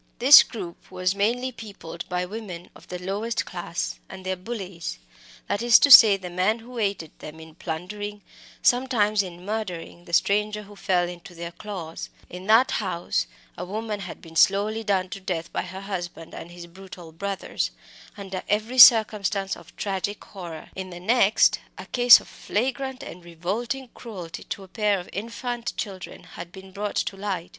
This group was mainly peopled by women of the very lowest class and their "bullies" that is to say, the men who aided them in plundering, sometimes in murdering, the stranger who fell into their claws; in that house a woman had been slowly done to death by her husband and his brutal brothers under every circumstance of tragic horror; in the next a case of flagrant and revolting cruelty to a pair of infant children had just been brought to light.